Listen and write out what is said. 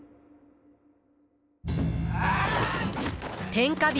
天下人